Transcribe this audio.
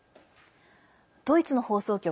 ドイツの放送局